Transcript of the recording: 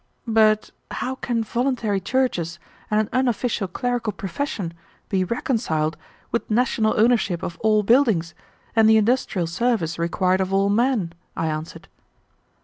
"But how can voluntary churches and an unofficial clerical profession be reconciled with national ownership of all buildings, and the industrial service required of all men?" I answered.